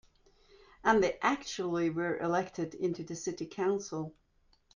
And they actually were elected into the city council.